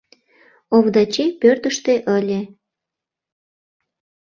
Овдачи пӧртыштӧ ыле.